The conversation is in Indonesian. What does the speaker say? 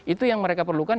itu yang mereka perlukan